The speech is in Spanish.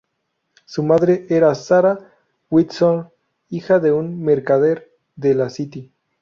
Su madre era Sarah Windsor, hija de un mercader de la City.